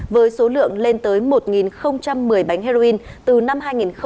với số lượng lên tới một một mươi bánh heroin từ năm hai nghìn bảy